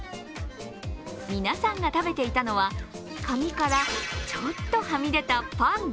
皆さんが食べていたのは紙からちょっとはみ出たパン。